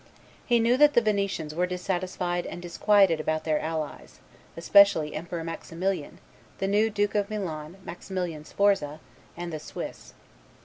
He knew that the Venetians were dissatisfied and disquieted about their allies, especially Emperor Maximilian, the new Duke of Milan Maximilian Sforza, and the Swiss.